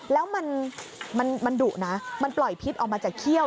แล้วมันดุนะมันปล่อยพิษออกมาจากเขี้ยว